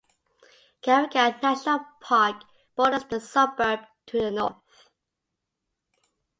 Garigal National Park borders the suburb, to the north.